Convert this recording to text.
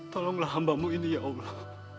tolonglah hambamu ini ya allah